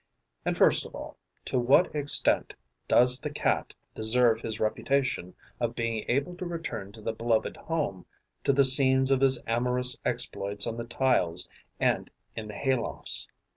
And, first of all, to what extent does the Cat deserve his reputation of being able to return to the beloved home, to the scenes of his amorous exploits on the tiles and in the hay lofts?